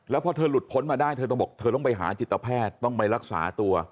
แล้วพอเธอหลุดพ้นมาได้เธอต้องบอกเธอต้องไปหาจิตแพทย์ต้องไปรักษาตัว